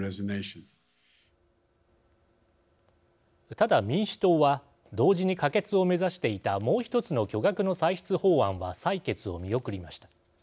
ただ民主党は同時に可決を目指していたもう１つの巨額の歳出法案は採決を見送りました。